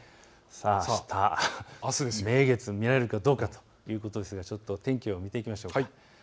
あした名月、見られるかどうかということで天気を見ていきましょう。